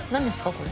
これ。